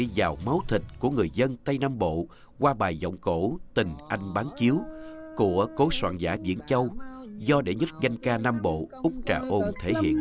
mà còn đi vào máu thịt của người dân tây nam bộ qua bài giọng cổ tình anh bán chiếu của cố soạn giả viễn châu do đệ nhất danh ca nam bộ úc trà ôn thể hiện